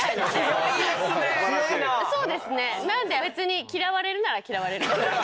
なので別に嫌われるなら嫌われる。